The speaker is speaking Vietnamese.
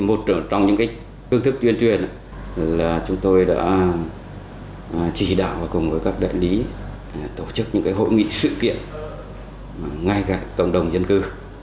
một trong những phương thức tuyên truyền là chúng tôi đã chỉ đạo và cùng với các đại lý tổ chức những hội nghị sự kiện ngay cả cộng đồng dân cư